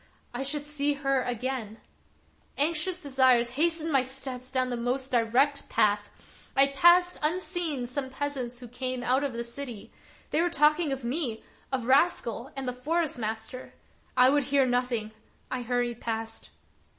I should see her again ! Anxious desire hastened 70 The Wonderful History my steps down the most direct path. I passed unseen some peasants who came out of the city. They were talking of me, of Rascal, and the Forest master; I would hear nothing; I hurried past.